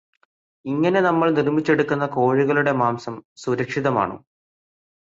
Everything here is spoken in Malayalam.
ഇങ്ങനെ നമ്മൾ 'നിര്മിച്ചെടുക്കുന്ന' കോഴികളുടെ മാംസം സുരക്ഷിതമാണോ?